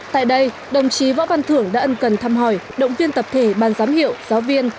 tại đây đồng chí võ văn thưởng đã ân cần thăm hỏi động viên tập thể ban giám hiệu giáo viên